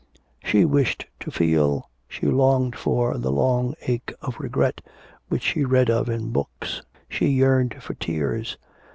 She wished to feel, she longed for the long ache of regret which she read of in books, she yearned for tears.